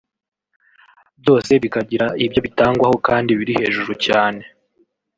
byose bikagira ibyo bitangwaho kandi biri hejuru cyane